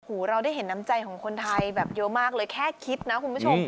เราได้เห็นน้ำใจของคนไทยแบบเยอะมากเลยแค่คิดนะคุณผู้ชม